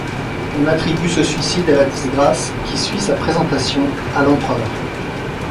On attribue ce suicide à la disgrâce qui suit sa présentation à l'Empereur.